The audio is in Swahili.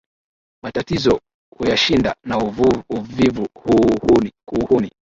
Matatizo huyashinda, na uvivu kuuhuni